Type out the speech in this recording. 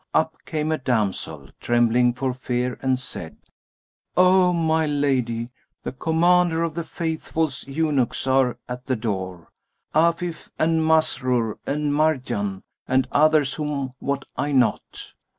up came a damsel, trembling for fear and said, "O my lady, the Commander of the Faithful's eunuchs are at the door, Afíf and Masrúr and Marján[FN#185] and others whom wot I not."